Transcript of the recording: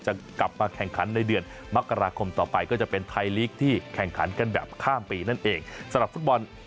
จะกลับมาแข่งขันในเดือนมกราคมต่อไปก็จะเป็นไทยลีกที่แข่งขันกันแบบข้ามปีนั่นเองสำหรับฟุตบอล